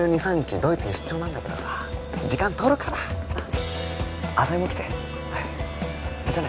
ドイツに出張なんだけどさ時間取るから浅見も来てじゃあね